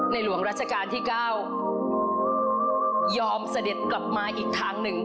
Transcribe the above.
หลวงราชการที่๙ยอมเสด็จกลับมาอีกทางหนึ่ง